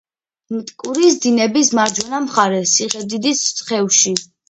მტკვრის დინების მარჯვენა მხარეს, ციხედიდის ხევში.